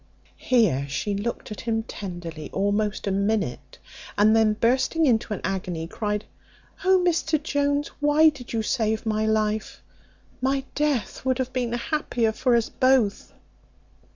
Here she looked at him tenderly almost a minute, and then bursting into an agony, cried, "Oh, Mr Jones, why did you save my life? my death would have been happier for us both."